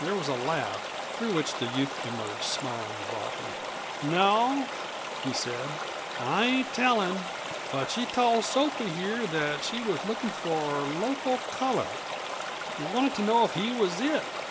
There was a laugh, through which the youth emerged smiling broadly. "No," he said, "I ain't tellin'. But she told Soapy here that she was lookin' for local color. Wanted to know if he was it.